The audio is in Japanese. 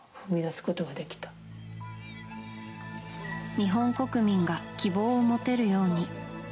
日本国民が希望を持てるように。